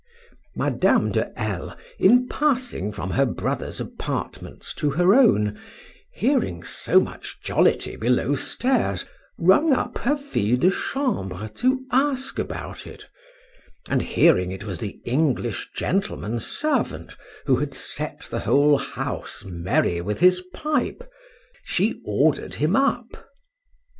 Madame de L—, in passing from her brother's apartments to her own, hearing so much jollity below stairs, rung up her fille de chambre to ask about it; and, hearing it was the English gentleman's servant, who had set the whole house merry with his pipe, she ordered him up.